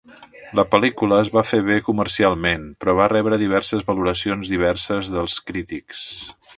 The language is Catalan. La pel·lícula es va fer bé comercialment, però va rebre diverses valoracions diverses dels crítics.